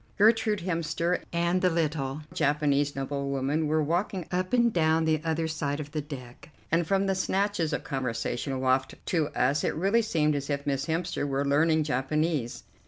Gertrude Hemster and the little Japanese noblewoman were walking up and down the other side of the deck, and from the snatches of conversation wafted to us it really seemed as if Miss Hemster were learning Japanese.